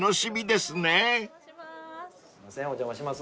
すいませんお邪魔します。